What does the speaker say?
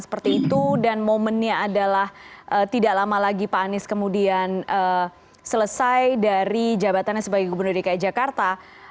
seperti itu dan momennya adalah tidak lama lagi pak anies kemudian selesai dari jabatannya sebagai gubernur dki jakarta